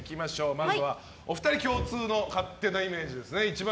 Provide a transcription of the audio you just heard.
まずはお二人共通の勝手なイメージです。